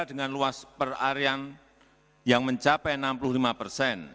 dengan luas per harian yang mencapai enam puluh lima persen